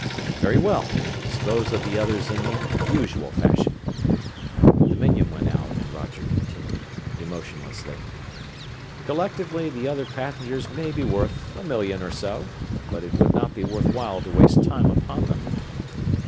"Very well, dispose of the others in the usual fashion." The minion went out, and Roger continued, emotionlessly: "Collectively, the other passengers may be worth a million or so, but it would not be worth while to waste time upon them."